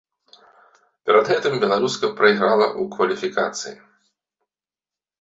Перад гэтым беларуска прайграла ў кваліфікацыі.